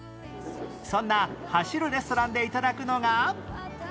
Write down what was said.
そんな走るレストランで頂くのが